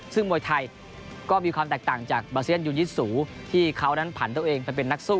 ซึ่งมวยไทยก็มีความแตกต่างจากบาเซียนยูยิสูที่เขานั้นผันตัวเองไปเป็นนักสู้